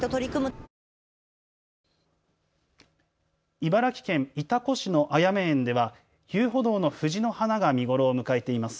茨城県潮来市のあやめ園では遊歩道の藤の花が見頃を迎えています。